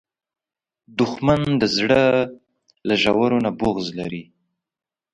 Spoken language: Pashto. دښمن د زړه له ژورو نه بغض لري